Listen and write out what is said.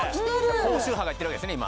高周波がいってるわけですね